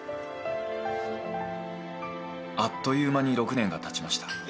［あっという間に６年がたちました］